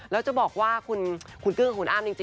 แล้วจะบอกว่าคุณกลื้องคุณอ้ำ